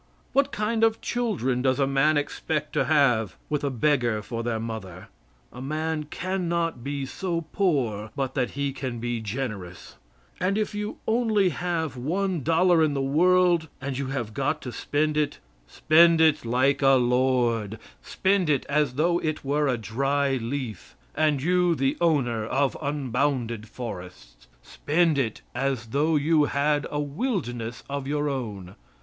What kind of children does a man expect to have with a beggar for their mother? A man can not be so poor but that he can be generous, and if you only have one dollar in the word and you have got to spend it, spend it like a lord spend it as though it were a dry leaf, and you the owner of unbounded forests spend it as though you had a wilderness of your own.